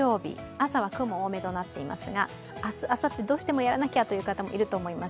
朝は雲多めとなっていますが明日、あさってどうしてもやらなきゃという方もいると思います。